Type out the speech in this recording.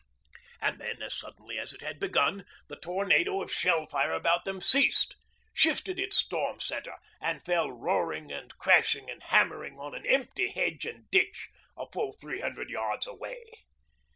And then, as suddenly as it had begun, the tornado of shell fire about them ceased, shifted its storm centre, and fell roaring and crashing and hammering on an empty hedge and ditch a full three hundred yards away.